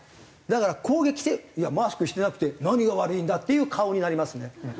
だから攻撃性マスクしてなくて何が悪いんだ？っていう顔になりますね。